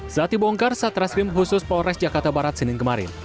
saat dibongkar satreskrim khusus polres jakarta barat senin kemarin